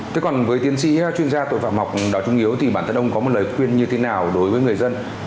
thế còn với tiến sĩ chuyên gia tội phạm học đào trung hiếu thì bản thân ông có một lời khuyên như thế nào đối với người dân